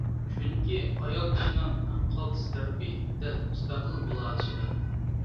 چۈنكى ئايال كىشىنىڭ ئەڭ قالتىس تەرىپى دەل مۇستەقىل بولالىشىدا.